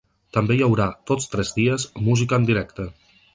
També hi haurà, tots tres dies, música en directe.